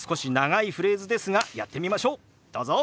どうぞ。